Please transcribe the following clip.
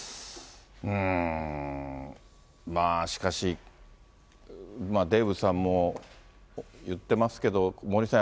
まあ、しかし、デーブさんも言ってますけど、森さん